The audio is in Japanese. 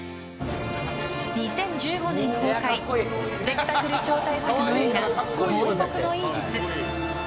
２０１５年公開スペクタクル超大作の映画「亡国のイージス」。